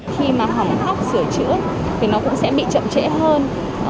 khi mà phòng khóc sửa chữa thì nó cũng sẽ bị chậm trễ hơn